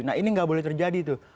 nah ini nggak boleh terjadi tuh